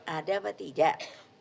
ada apa tidak